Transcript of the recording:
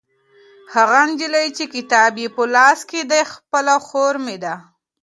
هغه نجلۍ چې کتاب یې په لاس کې دی خپله خور مې ده.